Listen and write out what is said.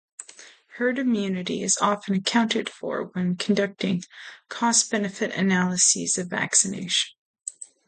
Herd immunity is often accounted for when conducting cost-benefit analyses of vaccination programs.